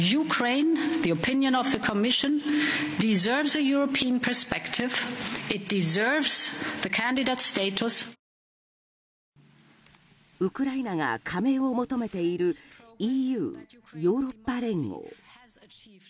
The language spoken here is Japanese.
ウクライナが加盟を求めているＥＵ・ヨーロッパ連合。